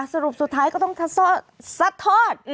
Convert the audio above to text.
สรุปสุดท้ายก็ต้องซัดทอด